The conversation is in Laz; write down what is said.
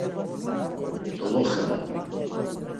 Doloxen.